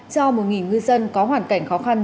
cho một ngư dân có hoàn cảnh khó khăn